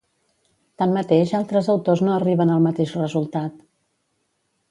Tanmateix altres autors no arriben al mateix resultat.